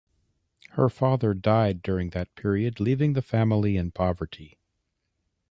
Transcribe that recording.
Her father died during that period, leaving the family in poverty.